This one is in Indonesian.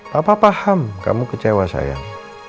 papa paham kamu kecewa sayang